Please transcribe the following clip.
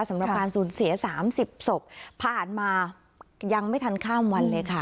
สำหรับการสูญเสีย๓๐ศพผ่านมายังไม่ทันข้ามวันเลยค่ะ